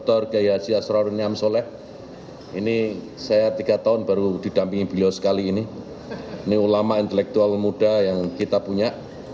pak dr yassir asrarun niam soleh ini saya tiga tahun baru didampingi beliau sekali ini ini ulama intelektual muda yang kita punya